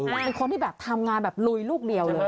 เป็นคนที่แบบทำงานแบบลุยลูกเดียวเลย